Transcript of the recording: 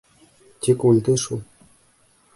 Тик үлде шул.